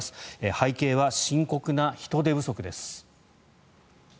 背景は深刻な人手不足です。